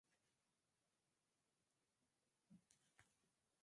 Que sò mòrta de pòur!